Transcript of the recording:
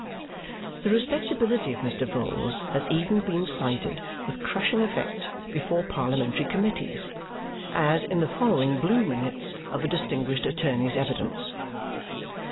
The respectability of Mr. Vholes has even been cited with crushing effect before Parliamentary committees, as in the following blue minutes of a distinguished attorney's evidence.